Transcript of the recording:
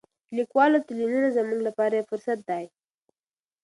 د لیکوالو تلینونه زموږ لپاره یو فرصت دی.